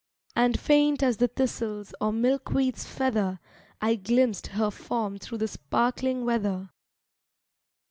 And faint as the thistle's or milk weed's feather I glimpsed her form through the sparkling weather.